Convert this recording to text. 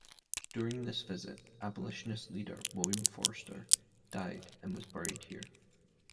During this visit, abolitionist leader William Forster died and was buried here.